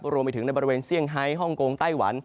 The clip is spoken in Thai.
รวมไปถึงในบริเวณเซี่ยงไฮฮ่องกงไต้หวัน